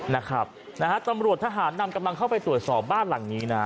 นะฮะตำรวจทหารนำกำลังเข้าไปตรวจสอบบ้านหลังนี้นะฮะ